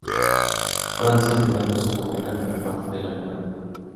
Francia devaluó su moneda como parte del acuerdo.